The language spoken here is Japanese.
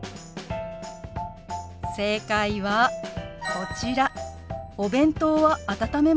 正解はこちら。